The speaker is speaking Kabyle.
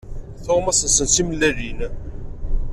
Tuɣmas-nsen d timellalin.